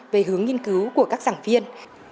về hướng nghiên cứu của các giảng viên